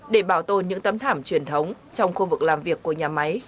để bảo tồn những tấm thảm truyền thống trong khu vực làm việc của nhà máy